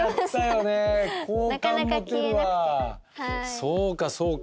そうかそうか。